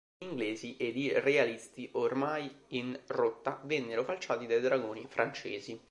Gli inglesi ed i realisti, ormai in rotta, vennero falciati dai dragoni francesi.